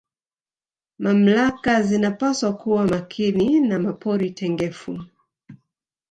mamlaka zinapaswa kuwa Makini na mapori tengefu